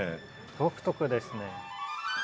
独特ですね。